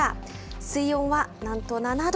水温はなんと７度。